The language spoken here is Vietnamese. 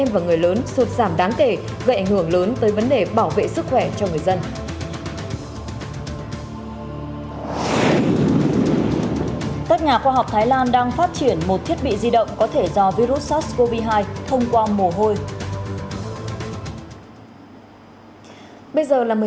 hãy đăng ký kênh để ủng hộ kênh của chúng mình nhé